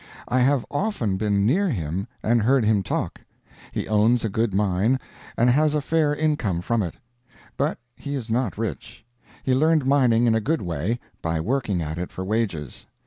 I have often been near him and heard him talk. He owns a good mine, and has a fair income from it; but he is not rich. He learned mining in a good way by working at it for wages.